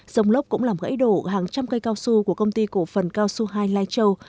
dòng lốc cũng làm gãy đổ hàng trăm cây cao su của công ty cổ phần cao su hai lai châu